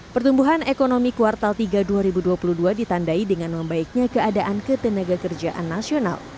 pertumbuhan ekonomi kuartal tiga dua ribu dua puluh dua ditandai dengan membaiknya keadaan ketenaga kerjaan nasional